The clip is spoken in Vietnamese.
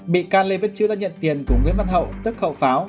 bị can lê vít chữ đã nhận tiền của nguyễn văn hậu tức khẩu pháo